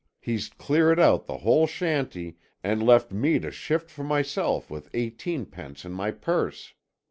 He's cleared out the whole shanty and left me to shift for myself with eighteenpence in my purse."